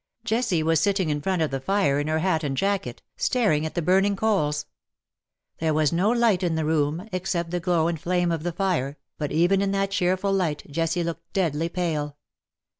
Jessie was sitting in front of the fire in her hat D 2 36 '* YOURS ON MONDAY, GOD's TO DAY." and jacket, staring at the burning coals. There was no light in the room, except the glow and flame of the fire, but even in that cheerful light Jessie looked deadly pale.